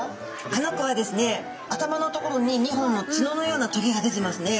あの子はですね頭の所に２本の角のようなとげが出てますね。